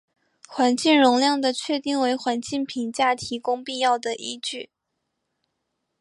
环境容量的确定为环境评价提供必要的依据。